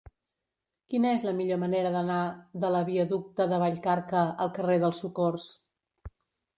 Quina és la millor manera d'anar de la viaducte de Vallcarca al carrer del Socors?